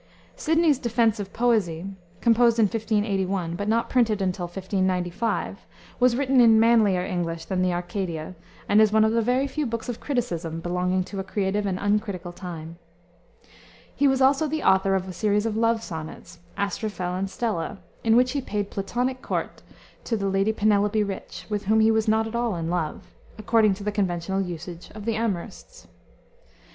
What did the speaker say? Sidney's Defense of Poesy, composed in 1581, but not printed till 1595, was written in manlier English than the Arcadia, and is one of the very few books of criticism belonging to a creative and uncritical time. He was also the author of a series of love sonnets, Astrophel and Stella, in which he paid Platonic court to the Lady Penelope Rich (with whom he was not at all in love), according to the conventional usage of the amourists.